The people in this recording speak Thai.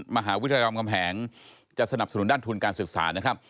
มหาวิทยาลำกำแหงจะสนับสนุนด้านทุนการศึกษานะครับ